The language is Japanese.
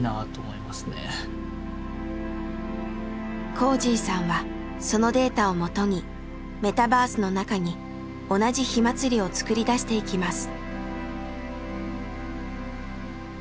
こーじぃさんはそのデータをもとにメタバースの中に同じ火まつりを作り出していきます。